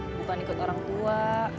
bukan ikut orang tua